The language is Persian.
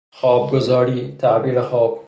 خوابگزاری، تعبیر خواب